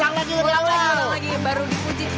ulang lagi baru dipuji gak bisa dipuji